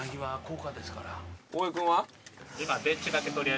大江君は？